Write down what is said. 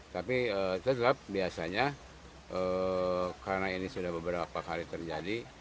tapi tetap biasanya karena ini sudah beberapa kali terjadi